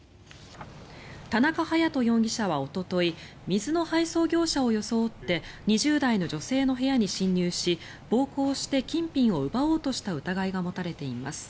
田中隼人容疑者はおととい水の配送業者を装って２０代の女性の部屋に侵入し暴行して、金品を奪おうとした疑いが持たれています。